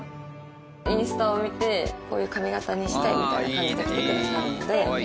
インスタを見てこういう髪形にしたいみたいな感じで来てくださるので。